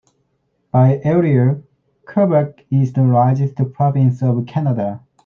By area, Quebec is the largest province of Canada.